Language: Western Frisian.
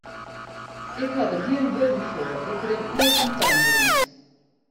Ik ha der gjin wurden foar, ik rin oer fan tankberens.